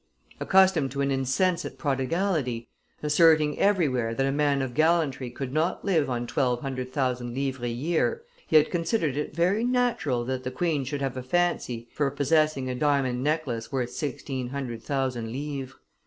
Accustomed to an insensate prodigality, asserting everywhere that a man of gallantry could not live on twelve hundred thousand livres a year, he had considered it very natural that the queen should have a fancy for possessing a diamond necklace worth sixteen hundred thousand livres.